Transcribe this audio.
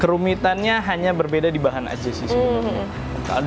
kerumitannya hanya berbeda di bahan aja sih sebenarnya